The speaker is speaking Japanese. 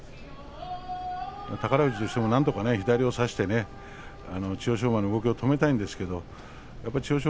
宝富士にしてもなんとかして左を差して千代翔馬の動きを止めたいんですけど千代翔